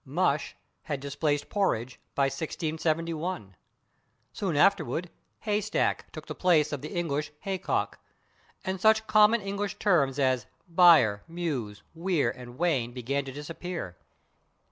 /Mush/ had displaced /porridge/ by 1671. Soon afterward /hay stack/ took the place of the English /hay cock/, and such common English terms as /byre/, /mews/, /weir/, and /wain/ began to disappear.